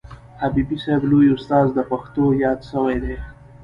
حبیبي صاحب لوی استاد د پښتو یاد سوی دئ.